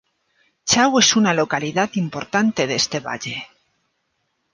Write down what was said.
Chao es una localidad importante de este valle.